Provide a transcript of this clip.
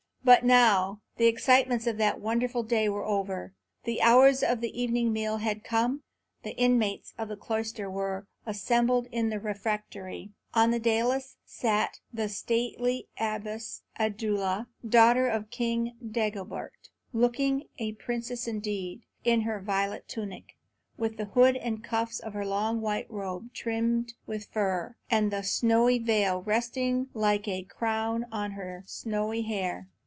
But now the excitements of that wonderful day were over; the hours of the evening meal had come; the inmates of the cloister were assembled in the refectory. On the dais sat the stately Abbess Addula, daughter of King Dagobert, looking a princess indeed, in her violet tunic, with the hood and cuffs of her long white robe trimmed with fur, and a snowy veil resting like a crown on her snowy hair.